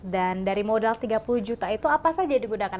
dan dari modal tiga puluh juta itu apa saja digunakan